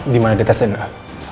dimana dia tes dna